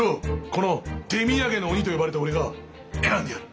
この手土産の鬼と呼ばれた俺が選んでやる！